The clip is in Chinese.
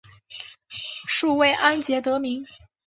粟末靺鞨得名。